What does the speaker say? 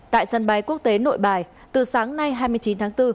tại sân bay quốc tế nội bài từ sáng nay hai mươi chín tháng bốn